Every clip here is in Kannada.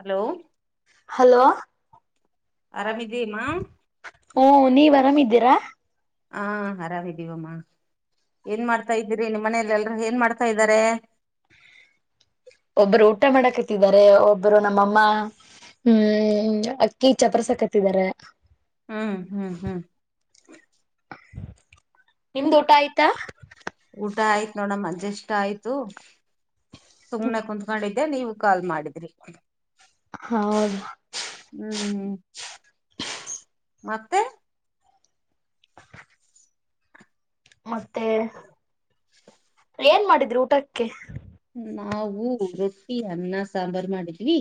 ಹಲೋ ಹಲೋ ಆರಾಮಿದ್ದಿಮ್ಮ ಹ್ಮ ನೀವ್ ಆರಾಮ್ ಇದ್ದೀರಾ ಹಾ ಆರಾಮಿದೀವಮ್ಮ ಏನ್ ಮಾಡ್ತಾ ಇದ್ದೀರಿ ನಿಮ್ಮ ಮನೇಲೆ ಎಲ್ರೂ ಏನ್ ಮಾಡ್ ಇದ್ದಾರೆ? ಒಬ್ರು ಊಟ ಮಾಡಕ ಕತ್ತಿದ್ದಾರೆ ಒಬ್ಬರು ನಮ್ಮಮ್ಮ ಹ್ಮ್ ಅಕ್ಕಿ ಚಪರ್ಕತ್ತಿದ್ದಾರೆ. ಹ್ಮ್ ಹ್ಮ್ ಹ್ಮ್. ನಿಮ್ದು ಊಟ ಆಯ್ತಾ ಊಟ ಆಯ್ತ್ ನೋಡಮ್ಮ ಜಸ್ಟ್ ಆಯ್ತು. ಸುಮ್ನೆ ಕುತ್ಕೊಂಡಿದ್ದೆ ನೀವು ಕಾಲ್ ಮಾಡಿದ್ರಿ. ಹೌದು ಹ್ಮ್ ಹ್ಮ್ ಮತ್ತೆ ಮತ್ತೆ ಏನ್ ಮಾಡಿದ್ರರು ಊಟಕ್ಕೆ ನಾವು ರೊಟ್ಟಿ ಅನ್ನ ಸಾಂಬಾರ ಮಾಡಿದ್ವಿ.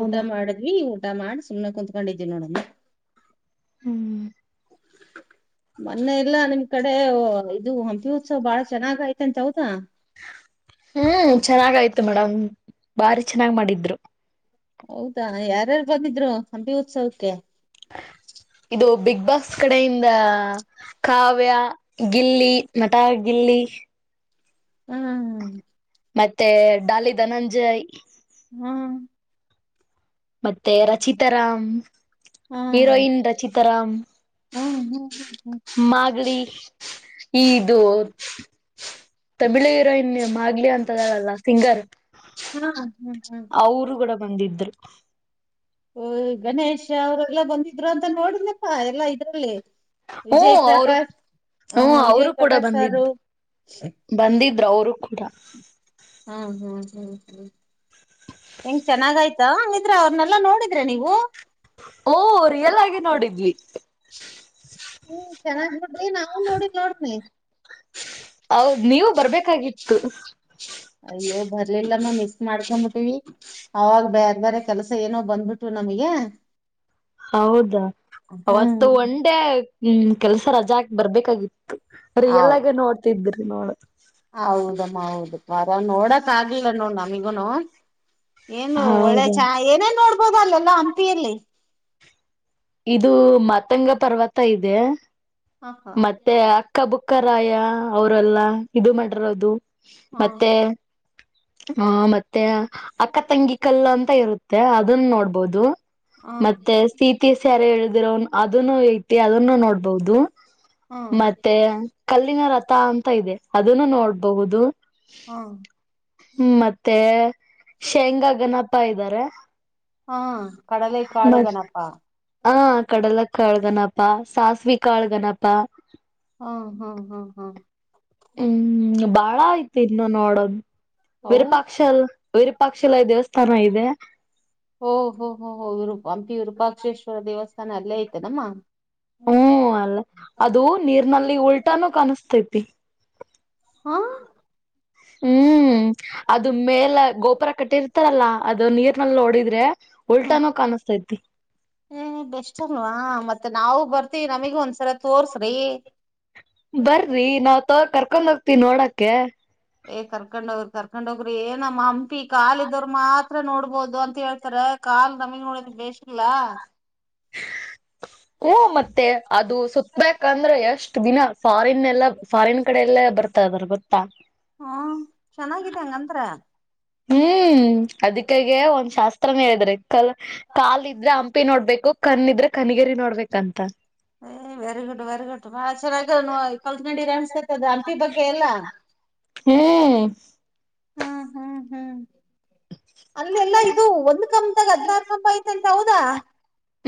ಊಟ ಮಾಡಿದ್ವಿ ಊಟ ಮಾಡಿ ಸುಮ್ನೆ ಕುತ್ಕೊಂಡಿದೀವಿ ನೋಡಮ್ಮ. ಹ್ಮ್. ಮೊನ್ನೆ ಇಲ್ಲಾ ನಿಮ್ ಕಡೆ ಇದು ಹಂಪಿ ಉತ್ಸವ ಬಾಳ ಚೆನ್ನಾಗಯ್ತಂತ ಹೌದಾ? ಹ್ಮ್ ಚೆನ್ನಾಗ ಆಯ್ತು ಮೇಡಮ್ ಬಾರಿ ಚೆನ್ನಾಗ್ ಮಾಡಿದ್ರು ಹೌದಾ ಯಾರಾರು ಬಂದಿದ್ರು ಹಂಪಿ ಉತ್ಸವಕ್ಕೆ? ಇದು ಬಿಗ್ ಬಾಸ್ ಕಡೆಯಿಂದ. ಕಾವ್ಯ ಗಿಲ್ಲಿ ನಟ ಗಿಲ್ಲಿ. ಹು ಮತ್ತೆ ಡಾಲಿ ಧನಂಜಯ್. ಹು ಮತ್ತೆ ರಚಿತಾ ರಾಮ್ ಹೀರೋಯಿನ್ ರಚಿತಾ ರಾಮ್. ಹು ಹು ಹು ಮಾಗಳಿ ಇದು. ತಮಿಳಿ ಹೀರೋಯಿನ್ ಮಾಗ್ಲಿ ಅಂತದಾಳಲ್ಲಾ ಸಿಂಗರ್. ಹು ಹು ಹು ಹೊ ಬಂದಿದ್ರ. ಓ ಗಣೇಶ ಅವ್ರಲ್ಲಾ ಬಂದಿದ್ರು ಅಂತ ನೋಡನಪ್ಪ ಎಲ್ಲಾ ಇದ್ರಲ್ಲಿ. ಹ್ಮ ವಿಜಯ್ ಅವರು ಪ್ರಕಾಶ್. ಹು ಹ್ಮ ಅವರು ವಿಜಯ್ ಕೂಡ ಪ್ರಕಾಶ್ ಸರು ಬಂದಿದ್ರು ಬಂದಿದ್ರು ಅವರು ಕೂಡ ಹು ಹು ಹು ಹು ಹೆಂಗ್ ಚೆನ್ನಾಗಯ್ತಾ ಹಂಗಿದ್ರ ಅವ್ರನೆಲ್ಲಾ ನೋಡಿದ್ರಾ ನೀವು. ಓ ರಿಯಲ್ ಆಗಿ ನೋಡಿದ್ವಿ. ಹು ಚೆನ್ನಾಗ ನೋಡ್ರಿ ನಾವ ನೋಡಿಲ್ಲ ನೋಡ್ರಿ. ಹೌದ ನೀವು ಬರ್ಬೇಕಾಗಿತ್ತು. ಅಯ್ಯೋ ಬರ್ಲಿಲ್ಲಮ್ಮ ಮಿಸ್ ಮಾಡ್ಕೊಂಬಿಟ್ಟೀವಿ. ಅವಾಗ ಬೇರೆ ಬೇರೆ ಕೆಲ್ಸ ಏನೋ ಬಂದ್ಬಿಟವ ನಮಗೆ. ಹೌದಾ ಹ್ಮ್ ಅವತ್ತು ಒಂದ್ ಡೇ ಹು ಕೆಲ್ಸ ರಜಾ ಹಾಕ್ ಬರ್ಬೇಕಾಗಿತ್ತು. ತ್ತು ರಿಯಲ್ ಹೌದು ಆಗೇ ನೋಡ್ತಿದ್ರಿ ನೋಡ. ಹೌದಮ್ಮ ಹೌದ ವರ ನೋಡಕ್ ಆಗ್ಲಿಲ್ಲ ನಮಿಗೂನು. ಏನು ಒಳ್ಳೆ ಹೌದಾ ಚಾ ಏನ ಏನ ನೋಡ್ಬೋದ ಅಲ್ಲೆಲ್ಲಾ ಹಂಪಿಯಲ್ಲಿ. ಇದು ಮತಂಗ ಪರ್ವತ ಇದೆ ಮತ್. ಹ ಹ ಮತ್ತೆ ಅಕ್ಕ ಬುಕ್ಕ ರಾಯ ಅವರೆಲ್ಲಾ ಇದು ಮಾಡಿರೋದು ಹ ಮತ್ತೆ. ಹ ಮತ್ತೆ ಅಕ್ಕ ತಂಗಿ ಕಲ್ಲು ಅಂತ ಇರುತ್ತೆ ಅದನ್ನ ನೋಡ್ಬೋದು. ಹ ಮತ್ತೆ ಸೀತಿ ಸೇರಳ್ ಹೇಳಿದಿರೋನು ಅದನ್ನು ಐತಿ ಅದನ್ನು ನೋಡ್ಬಹುದು. ಹ ಮತ್ತೆ ಕಲ್ಲಿನ ರಥಾ ಅಂತ ಇದೆ ಅದನ್ನು ನೋಡ್ಬಹುದು. ಹ ಹು ಮತ್ತೆ ಶೇಂಗಾ ಗಣಪ್ಪ ಇದ್ದಾರೆ. ಹಾ ಕಡಲೆ ಕಾಳು ಗಣಪ್ಪಾ. ಕಡಲೆ ಕಾಳಗಣಪ್ಪಾ ಸಾಸ್ವಿ ಕಾಳ್ಗಣಪ್ಪಾ. ಹು ಹು ಹು ಹು ಹು ಬಾಳ ಐತಿ ಇನ್ನು ನೋಡೋದು ಅವು ವಿರಪಾಕ್. ಕ್ಷಲ್ ವಿರುಪಾಕ್ಷಲ ದೇವಸ್ಥಾನ ಇದೆ. ಓ ಹೊ ಹೋ ಹೋ ವಿರೂಪ ಹಂಪಿ ವಿರೂಪಾಕ್ಷೇಶ್ವರ ದೇವಸ್ಥಾನ ಅಲ್ಲೇ ಐತನಮ್ಮ. ಹು ಹು ಅಲ್ಲೆ ಅದು ನೀರ್ನಲ್ಲಿ ಉಲ್ಟಾನೂ ಕಾಣಸತೈತಿ. ಆ ಹು ಅದ ಮೇಲೆ ಗೋಪುರ ಕಟ್ಟಿರ್ತಾರಲ್ಲ ಅದು ನೀರ್ನಲ್ಲಿ ನೋಡಿದ್ರೆ. ಉಲ್ಟಾನೋ ಕಾಣಿಸ್ತತಿ. ಹು ಬೆಸ್ಟ್ ಅಲ್ವಾ ಮತ್ತೆ ನಾವು ಬರ್ತಿವಿ ನಮಗು ಒಂದ್ಸಲ ತೋಸ್ರಿ. ಬರ್ರಿ ನಾವು ತ ಕರ್ಕೊಂಡ್ ಹೋಗ್ತಿವಿ ನೋಡಕ್ಕೆ. ಏ ಕರ್ಕೊಂಡ್ಗ್ರಿ ಕರ್ಕೊಂಡ್ಗ್ರಿ ಏನಮ್ಮ ಹಂಪಿ ಕಾಲಿದವರ್ ಮಾತ್ರ ನೋಡ್ಬೋದು ಅಂತ ಹೇಳ್ತಾರ. ಕಾಲ್ ನಮಗ್ ನೋಡಿದ ಬೇಷಿಲ್ಲ. ಹ್ಮ ಮತ್ತೆ ಅದು ಸುತ್ಬೇಕಂದ್ರೆ ಎಷ್ಟ ದಿನ ಫಾರಿನ್ ಎಲ್ಲ ಫಾರಿನ್ ಕಡೆ ಎಲ್ಲ ಬರ್ತಾ ಇದಾರ ಗೊತ್ತಾ. ಹ್ಮ ಚೆನ್ನಾಗಿದೆ ಹಂಗದ್ರ ಹ್ಮ ಅದಕ್ಕಾಗ ಒಂದ ಶಾಸ್ತ್ರನ ಹೇಳಿದ್ರೆ ಕಲ್ ಕಾಲ ಇದ್ರ ಪ್ಪಿ ನೋಡ್ಬೇಕು ಕಣಿದ್ರೆ ಕನಗೇರಿ ನೋಡ್ಬೇಕಂತ. ಏ ವೆರಿ ಗುಡ್ ವೆರಿ ಗುಡ್ ಬಾ ಚೆರಾಗ ಇಪ್ಪಲ್ ಗಂ ಅನ್ತೈ ಅದು ಹಂಪಿ ಬಗ್ಗೆ ಎಲ್ಲಾ ಹ್ಮ ಹ್ಮ ಹ್ಮ ಹ ಅಲ್ಲೆಲ್ಲಾ ಇದು ಒಂದ್ ಕಂದಾಗ ಹದ್ನಾರ ಕಂಬ ಐತೆಂತ ಹೌದಾ.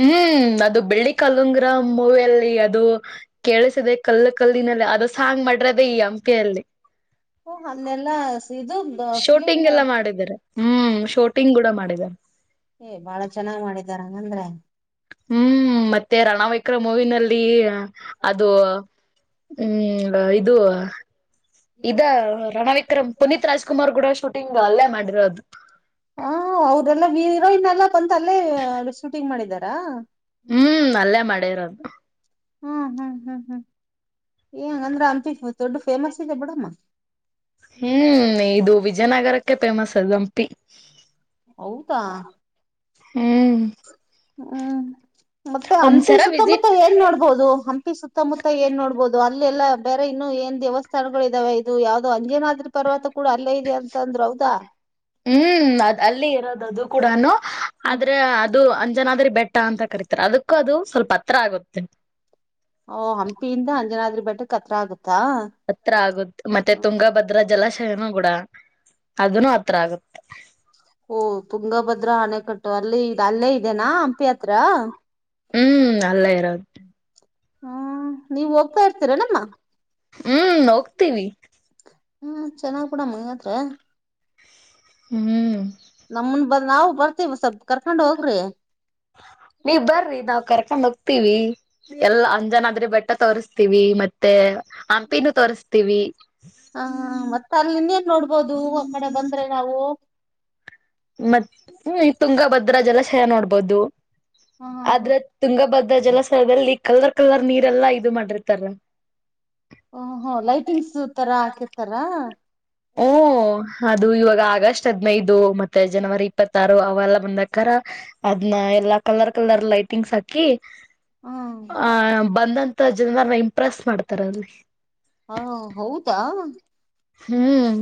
ಹ್ಮ ಅದು ಬೆಳ್ಳಿ ಕಾಲುಂಗ್ರ ಮೂವಲ್ಲಿ ಅದು ಕೇಳಿಸಿದೆ ಕಲ್ಲು ಕಲ್ಲಿನಲ್ಲ ಅದ ಸಾಂಗ್ ಮಾಡರದೆ ಈ ಹಂಪಿಯಲ್ಲಿ ಓ ಅನ್ನೆಲ್ಲಾ ಸ ದು ಶೂಟಿಂಗ್ ಎಲ್ಲ ಮಾಡಿದ್ದಾರೆ ಹ್ಮ ಶೂಟಿಂಗ್ ಕೂಡ ಮಾಡಿದ್ದಾರೆ. ಏ ಬಾಳ ಚೆನ್ನಾಗ್ ಮಾಡಿದಾರಂಗಂದ್ರೆ ಹ್ಮ ಮತ್ತೆ ರಣ ವಿಕ್ರ ಮೂವಿನಲ್ಲಿ ಅದು ಹ್ಮ ಇದು ಇದ ರಣವಿಕ್ರಮ ಪುನೀತ್ ರಾಜ್ಕುಮಾರ ಗುಡ ಶೂಟಿಂಗ್ ಅಲ್ಲೇ ಮಾಡಿರೋದು. ಹ ಅವ್ರೆಲ್ಲ ವೀರ್ರೋ ಇನ್ನೆಲ್ಲಾ ಬಂತ ಅಲ್ಲೇ ಶೂಟಿಂಗ್ ಮಾಡಿದಾರ. ಹ್ಮ ಅಲ್ಲೇ ಮಾಡಿರೋದ ಹ್ಮ ಹ್ಮ ಹ್ಮ ಹ್ಮ ಏಂಗ ಅಂದ್ರ ಹಂಪಿ ದೊಡ್ಡ ಫೇಮಸ್ ಇದೆ ಬಿಡಮ್ಮ. ಹ್ಮ ಇದು ವಿಜಯನಗರಕ್ಕೆ ಫೇಮಸ್ ಅದ ಹಂಪಿ. ಹೌದಾ. ಹ್ಮ ಹ್ಮ ಮತ್ತ ಹಂಪಿ ಒಂದ್ಸರ ಸುತ್ತಮುತ್ತ ವಿಸಿಟ್ ಏನ್ ನೋಡ ಬದು ಹಂಪಿ ಸುತ್ತಮುತ್ತ ಏನ್ ನೋಡ್ಬದು ಅಲ್ಲೆಲ್ಲಾ ಬೇರೆ ಇನ್ನು ಏನ್ ದೇವಸ್ಥಾನಗಳು ಇದಾವೆ. ಇದು ಯಾವ್ದೋ ಅಂಜನಾದ್ರಿ ಪರ್ವತ ಕೂಡ ಅಲ್ಲೇ ಇದೆ ಅಂತ ಅಂದ್ರ ಹೌದಾ. ಹ್ಮ ಅದ ಅಲ್ಲಿ ಇರೋದ ಅದು ಕೂಡ ಆದ್ರ ಅದು ಅಂಜನಾದ್ರ ಬೆಟ್ಟ ಅಂತ ಕರೀತಾರೆ ಅದಕ್ಕೂ ಅದು ಸ್ವಲ್ಪ ಹತ್ರ ಆಗುತ್ತೆ. ಓ ಹಂಪಿಯಿಂದ ಅಂಜನಾದ್ರಿ ಬೆಟ್ಟಕ ಹತ್ರ ಆಗತ್ತಾ. ಹತ್ರ ಆಗುತ್ತ ಮತ್ತೆ ತುಂಗಭದ್ರಾ ಜಲಾಶಯನೂ ಕೂಡ ಅದನು ಹತ್ರ ಆಗುತ್ತ. ಓ ತುಂಗಭದ್ರ ಆಣೆಕಟ್ಟು ಅಲ್ಲಿ ಅಲ್ಲೇ ಇದೆೇನಾ ಹಂಪಿ ಹತ್ರ ಹ್ಮ ಅಲ್ಲ ಇರೋದ ಹಾ ನೀವ ಹೋಗ್ತಾ ಇರ್ತೀರನಮ್ಮ ಹ್ಮ ಹೋಗ್ತಿವಿ ಹ್ಮ ಚೆನ್ನಾಗ್ಬೂಡಮ್ಮತ್ರ ಹ್ಮ ನಮ್ನ ಬ ನಾವ ಬರ್ತಿವಿ ಸ್ವಲ್ ಕರ್ಕೊಂಡ್ ಹೋಗ್ರಿ. ನೀವ ಬರ್ರಿ ನಾವ ಕರ್ಕೊಂಡ ಹೋಗ್ತೀವಿ. ಎಲ್ಲ ಅಂಜನಾದ್ರಿ ಬೆಟ್ಟ ತೋರಿಸತೀವಿ ಮತ್ತೆ ಹಂಪಿನ ತೋರ್ರಿಸತೀವಿ. ಹ ಮತ್ತ ಅಲ್ಲಿ ಇನ್ನೇನ ನೋಡ್ಬೋದು ಆ ಕಡೆ ಬಂದ್ರೆ ನಾವು ಮ ತುಂಗಭದ್ರಾ ಜಲಾಶಯ ನೋಡ್ಬೋದು ಹ ಹ ಆದ್ರ ತುಂಗಭದ್ಧ ಜಲಾಶಯದಲ್ಲಿ ಕಲರ್ ಕಲರ್ ನೀರೆಲ್ಲಾ ಇದು ಮಾಡಿರ್ತಾರ. ಹ ಹ ಲೈಟಿಂಗ್ಸ್ ತರ ಹಾಕಿರ್ತಾರಾ. ಹ್ಮ್ ಅದು ಇವಾಗ ಆಗಸ್ಟ್ ಹದ್ನೈದು ಮತ್ತೆ ಜನವರಿ ಇಪ್ಪತ್ತಾರು ಅವೆಲ್ಲ ಬಂದಕಾರ ಅದ್ನ್ ಎಲ್ಲಾ ಕಲರ್ ಕಲರ್ ಲೈಟಿಂಗ್ಸ್ ಹಾಕಿ ಹ್ಮ್ ಆ ಬಂದಂತ ಜನರ ಇಂಪ್ರೆಸ್ ಮಾಡ್ತಾರ ಅಲ್ಲಿ. ಹಾ ಹೌದಾ? ಹ್ಮ್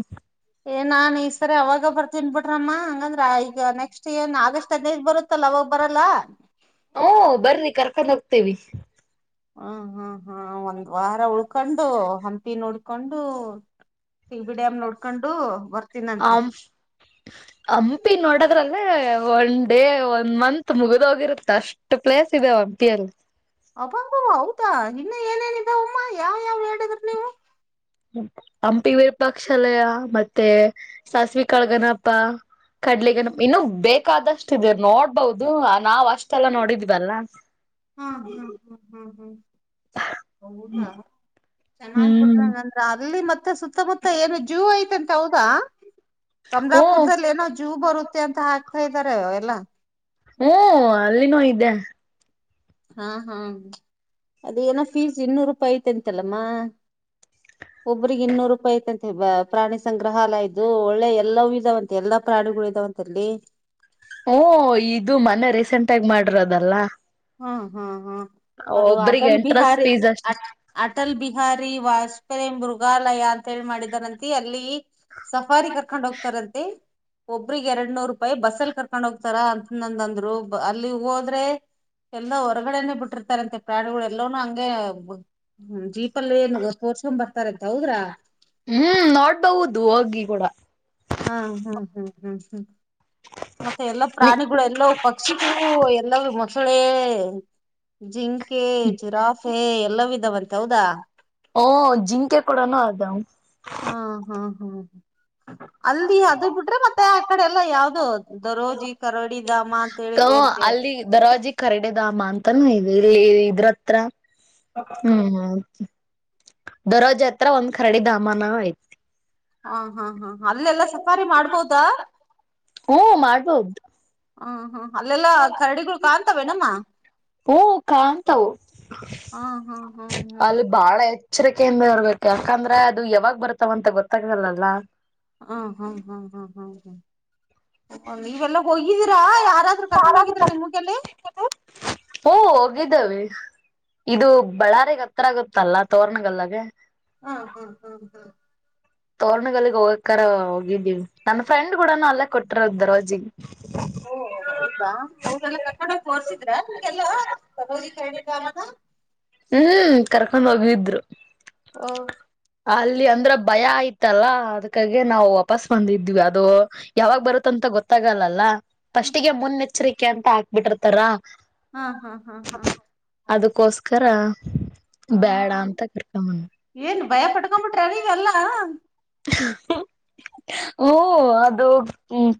ಏನ್ ನಾನ್ ಈ ಸರಿ ಅವಾಗ ಬರ್ತನ್ಬಿಟ್ರಮ್ಮ ಹಂಗಂದ್ರ ಈಗ ನೆಕ್ಸ್ಟ್ ಏನ್ ಆಗಸ್ಟ್ ದೇಶ ಬರುತ್ತಲ್ಲ ಅವಾಗ ಬರಲ್ಲ. ಓ ಬರ್ರಿ ಕರ್ಕೊಂಡ್ ಹೋಗ್ತೇವಿ. ಹ ಹಾ ಹಾ ಒಂದ್ ವಾರ ಉಳ್ಕೊಂಡು ಹಂಪಿ ನೋಡ್ಕೊಂಡು [unintelligible] ನೋಡ್ಕೊಂಡು ಬರ್ತೀನಂತೆ ಆಂ ಹಂಪಿ ನೋಡದ್ರಲ್ಲೇ ಒನ್ ಡೇ ಒಂದ್ ಮಂತ್ ಮುಗಿದೋಗಿರುತ್ತ. ಅಷ್ಟ ಪ್ಲೇಸ್ ಇದಾವ ಹಂಪಿ ಅಲ್ಲಿ. ಅಬ್ಬಬಾ ಹೌದಾ ಇನ್ನ ಏನೇನ ಇದವಮ್ಮ್ ಇನ್ನ್ ಯಾವ್ ಯಾವ್ ಹೇಳಿದ್ರ ನೀವು. ಹಂಪಿ ವಿರೂಪಾಕ್ಷಶಾಲೆಯ ಮತ್ತೆ ಸಾಸಿವೇ ಕಾಳಗಣಪಾ. ಕಡ್ಲಿಗಣಪ ಇನ್ನು ಬೇಕಾದಷ್ಟ ಇದೇ ನೋಡ್ಬಹುದು ನಾವ್ ಅಷ್ಟೆಲ್ಲಾ ನೋಡಿದವಲ್ಲ. ಹಾ ಹಾ ಹ್ಮ ಹ್ಮ್ ಹ್ಮ್ಊಟ ಚೆನ್ನಾಗ್ ಹ್ಮ್ [unintelligible] ಅಲ್ಲಿ ಮತ್ತೆ ಸುತ್ತಮುತ್ತ ಏನು ಜೋ ಐತೆಂತೆ ಹೌದಾ? ಓ ಕಮಲಾಪುರ್ದಲ್ಲಿ ಏನೋ ಜೋ ಬರುತ್ತೆ ಅಂತ ಹಾಕ್ತಾ ಇದ್ದಾರೆ ಎಲ್ಲ. ಹ್ಮ ಅಲ್ಲಿನೂ ಇದ್ದೆ. ಹಾ ಹಾ ಅದೇ ಏನೋ ಫೀಸ್ ಇನ್ನೂರು ರೂಪಾಯಿ ಐ್ತಂತಲ್ಲಮ್ಮ. [inaudible] ಒಬ್ಬ್ರಿಗೆ ಇನ್ನೂರು ರೂಪಾಯಿ ಐತೆಂತೆ ಪ್ರಾಣಿ ಸಂಗ್ರಹಾಲಯ ಇದ್ದು ಒಳ್ಳೆ ಎಲ್ಲೂ ಇದಾವಂತೆ ಎಲ್ಲಾ ಪ್ರಾಣಿಗಳು ಇದಾವಂತೆ [unintelligible] ಹೂ ಇದು ಮನೆ ರೀಸೆಂಟ್ಗಿ ಮಾಡಿರೋದಲ್ಲ. ಹ್ಮ ಹಾ ಹಾ ಅದು ಒಬ್ರಿಗೆ ಅಟಲ್ ಎಂಟ್ರೆನ್ಸ್ ಬಿಹಾರಿ. ಫೀಸ್ ಅಷ್ಟೆ ಅಟಲ್ ಬಿಹಾರಿ ವಾಜಪೇಯಿ ಮೃಗಾಲಯ ಅಂತ ಹೇಳಿ ಮಾಡಿದಾರಂತಿ ಅಲ್ಲಿ. ಸಫಾರಿ ಕರ್ಕೊಂಡ್ ಹೋಗ್ತಾರಂತೆ. ಒಬ್ರಿಗೆ ಎರಡ್ ನೂರ್ ರೂಪಾಯಿ ಬಸ್ಸಲ್ಲಿ ಕರ್ಕೊಂಡ ಹೋಗ್ತಾರ [unintelligible] ಅಲ್ಲಿ ಹೋದ್ರೆ. ಎಲ್ಲ ಹೊರಗಡೆನೆೇ ಬಿಟ್ಟಿರ್ತಾರಂತೆ [unintelligible] ಎಲವನು ಹಂಗೆ ಜೀಪ್. [unintelligible] ತೋರ್ಷಕೊ ಬರ್ತ ಅಂತ ಹೌದ್ರಾ. ಹ್ಮ್ ನೋಡ್ಬಹುದು ಹೋಗಿ ಕೂಡ. ಹ್ಮ ಹ್ಮ್ ಹ್ಮ್ ಹ್ಮ್ ಹ್ಮ್ ಮತ್ತೆ ಎಲ್ಲಾ ನೀ ಪ್ರಾಣಿಗಳು ಎಲ್ಲ ಪಕ್ಷಿಗಳು ಎಲ್ಲಾವು ಮೊಸಳೆ ಜಿಂಕೆ ಜಿರಾಫ್. ಹೇ [unintelligible] ಎಲ್ಲ ವಿಧವಂತೆ ಹೌದಾ. ಓಹ್ಹ್ ಜಿಂಕೆಕೊಡನು ಅದವ್ ಹಾ ಹಾ ಹ್ಮ ಅಲ್ಲಿ ಅದು ಬಿಟ್ರೆ ಮತ್ತೆ. ಈ ಕಡೆ ಎಲ್ಲಾ ಯಾವುಧು ದರೋಜಿ ಕರಡಿ ಧಾಮ ಅಂತ ಹೇಳಿದೇಯಂತೆ. ಅಲ್ಲಿ ದರಾಜಿ ಕರಡೆ ದಾಮ ಅಂತಾನ [unintelligible] ಇದ್ರತ್ರ. ಹ್ಮ್ ದರೋಜಿ ಹತ್ರ ಒಂದ್ ಕರಡಿ ಧಾಮನ ಆಯ್ತಾ ಹಾ ಹಾ ಹಾ ಅಲ್ಲೆಲ್ಲಾ ಸಫಾರಿ ಮಾಡ್ಬೋದಾ. ಹ್ಮ ಮಾಡ್ಬೋದು ಹ್ಮ್ ಹ್ಮ್ ಅಲ್ಲೆಲ್ಲಾ ಕರಡಿಗಳು ಕಾಣ್ತಾವೇನಮ್ಮ. ಹೂ ಕಾಣಂತವು ಹ ಹಾ ಹಾ ಹಾ ಅಲ್ಲಿ ಬಹಳ ಎಚ್ಚರಿಕೆಯಿಂದ ಇರ್ಬೇಕು ಯಾಕಂದ್ರೆ ಅದು ಯಾವಾಗ ಬರ್ತಾವ ಅಂತ ಗೊತ್ತಾಗಲಾಲ. ಹ ಹಾ ಹಾ ಹಾ ಹಾ ಹಾ ಇವೆಲ್ಲ ಹೋಗಿದ್ದೀರಾ ಯಾರಾದ್ರೂ ಕರ್ಕೊಂಡ್ ಹೋಗಿದೀರಾ ನಿಮ್ಗ್ ಅಲ್ಲಿ. ಹೂ ಹೋಗಿದೆವಿ. ಇದು ಬಳ್ಳಾರಿಗ ಅತ್ರ ಆಗತ್ತಲ್ಲ ತೋರ್ರಣಗಲ್ಲಗೆ. ಹ ಹಾ ಹ ಹಾ ತೋರ್ರಣಗಲ್ಲಿಗ್ ಹೋಗಕರ ಹೋಗಿದ್ದೀನಿ ನನ್ನ ಫ್ರೆಂಡ್ ಕೂಡನು ಅಲ್ಲೇ ಕೊಟ್ಟರದ್. [unintelligible] [unintelligible] ಹ್ಮ್ ಕರ್ಕೊಂಡ್ ಹೋಗಿದ್ರು. ಹ ಅಲ್ಲಿ ಅಂದ್ರೆ ಭಯ ಅಹಿತಲಾ ಅದ್ಕಾಗೆ ನಾವು ವಾಪಸ್ ಬಂದಿದ್ವಿ ಅದು. ಯಾವಾಗ ಬರುತ್ತ ಅಂತ ಗೊತ್ತಾಗಲ್ಲಲ್ಲ ಫಸ್ಟಿಗೆ ಮುನ್ನೆಚ್ಚರಿಕೆ ಅಂತ ಹಾಕ್ಬಿಟ್ಟಿರ್ತಾರ. ಹಾ ಹಾ ಹಾ ಹಾ ಅದಕ್ಕೋಸ್ಕರ ಬೇಡ ಹಾ ಅಂತ. [unintelligible] ಏನ್ ಭಯ ಪಟ್ಕೊಂಡ್ಬಿಟ್ರೆ ನೀವೆಲ್ಲಾ. [inaudible] ಹೂ ಅದು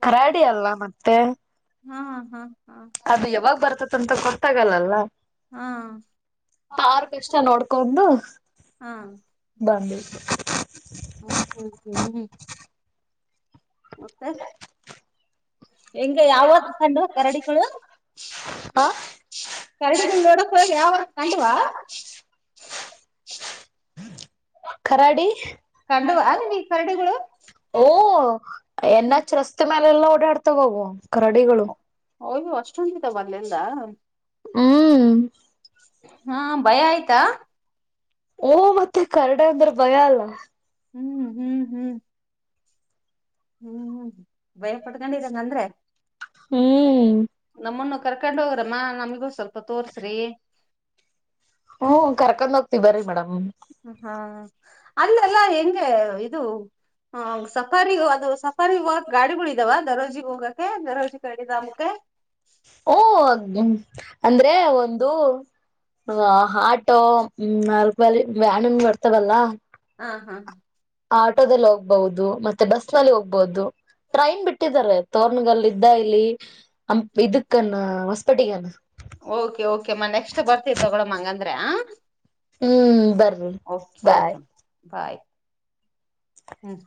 ಕರಾಡಿ ಅಲ್ಲ ಮತ್ತೆ ಹಾ ಹಾ ಹಾ ಅದು ಯಾವಾಗ ಬರ್ತದಂತಕೊ ತಗಲ್ಲಲ್ಲ ಹಾ ತಾರ್ ಕಷ್ಟ ನೋಡ್ಕೊು ಹಾ ಬಂದಿ ಹ್ಮ ಹ ಮತ್ತೆ ಹೆಂಗ ಯಾವ್ದ ಸಂಡು ಕರಡಿಗಳು ಹಾ ಕರಡಗೋಡ ಕುಡ ಯಾವ ಕಂಡವಾ ಕರಾಡಿ ಕಂಡವಾ ನಿಮಗ್ ಕರಡಿಗಳು ಓಹ ಎನ್ಚ್ ರಸ್ತೆ ಮೇಲೆ ಎಲ್ಲಾ ಓಡಾಡ್ತ ಹೋಗ ಕರಡಿಗಳು ಹಯ್ವು ಅಷ್ಟುೊಂಟಿತ ಬರ್ಲೆಲ್ಲಾ ಹ್ಮ್ ಹಾ ಭಯ ಆಯ್ತಾ. ಹು ಮತ್ತೆ ಕರಡೆ ಅಂದ್ರೆ ಭಯ ಅಲ್ಲ. ಹ್ಮ್ ಹ್ಮ್ ಹ್ಮ್ ಹ್ಮ್್ಮ್ ಭಯ ಪಡ್ಕೊಂಡ ಇದಂಗ ಅಂದ್ರೆ ಹ್ಮ ನಮ್ಮನ್ನು ಕರ್ಕೊಂಡ ಹೋಗ್ರಮ್ಮ ನಮ್ಗೂ ಸ್ವಲ್ಪ ತೋರ್ಸ್ರಿ ಹ್ಮ್ ಕರ್ಕೊಂಡ್ ಹೋಗ್ತಿ ಬ್ರೀ ಮೇಡಮ್ ಹಾ ಅಲ್ಲೆಲ್ಲಾ ಹೆಂಗೆ ಇದು ಆ ಸಕಾರಿ ಅದು ಸ ಮರಿ ಇವಾಗ ಗಾಡಿಗಳ ಇದಾವ ದರೋಜಿ ಹೋಗಕ್ಕೆ ದರೋಜಿ ಗಾಡಿಿದಮಕ್ಕೆ ಓ ಅಂದ್ರೆ ಒಂದು ಹ ಆಟೋ ಹ ನಾಲ್ಕ ಬಾಲ ವ್ಯಾನ್ನ್ ಬರ್ತವಲ್ಲಾ ಹಾ ಹಾ ಆಟೋದಲ್ಲಿ ಹೋಗ್ಬಹುದು ಮತ್ತೆ ಬಸ್ ನಲ್ಲಿ ಹೋಗ್ಬಹುದು ಟ್ರೈನ್ ಬಿಟ್ಟಿದಿದ್ದಾರೆ ತೋರ್ನಗಲ್ಲಿ ಇದ್ದ ಇಲ್ಲಿ ಅ ಇದಕ್ಕನ್ನ ಹೊಸಪೇಟಿಗನ ಓಕೆ ಓಕೆಮ್ಮ ನೆಕ್ಸ್ಟ್ ಬರ್ತೀವಿ ತೊಗೊಳಮ್ಮ ಹಂಗ ಅಂದ್ರೆ ಹ್ಮ್ ಬರ್ರಿ ಬಾಯ್ ಓಕೆ ಬಾಯ್ ಹ್ಮ್